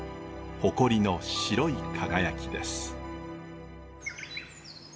誇りの白い輝きです。